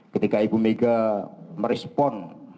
ketika ibu mega merespon